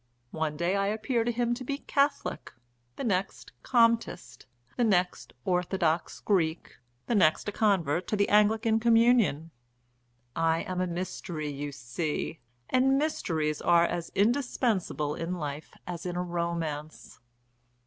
One day I appear to him to be Catholic, the next Comtist, the next Orthodox Greek, the next a convert to the Anglican communion. I am a mystery, you see! And mysteries are as indispensable in life as in a romance."